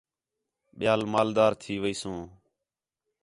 ٻِیال مال دار تھی ویسوں